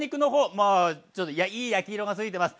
もういい焼き色がついてます。